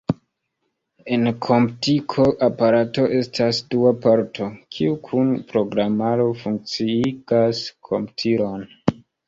En komputiko aparato estas dua parto, kiu kun programaro funkciigas komputilon.